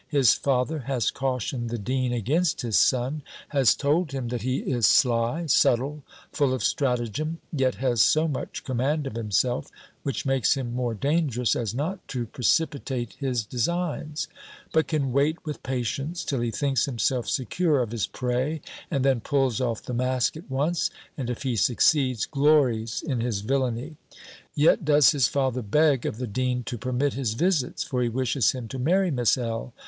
His father has cautioned the dean against his son. Has told him, that he is sly, subtle, full of stratagem, yet has so much command of himself (which makes him more dangerous), as not to precipitate his designs; but can wait with patience till he thinks himself secure of his prey, and then pulls off the mask at once; and, if he succeeds, glories in his villainy. Yet does his father beg of the dean to permit his visits, for he wishes him to marry Miss L.